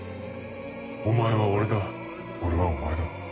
お前は俺だ俺はお前だ。